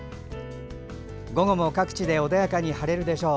午後も各地で穏やかに晴れるでしょう。